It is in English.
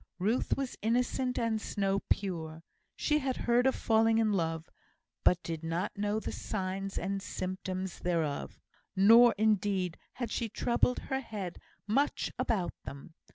Ruth was innocent and snow pure. She had heard of falling in love, but did not know the signs and symptoms thereof; nor, indeed, had she troubled her head much about them.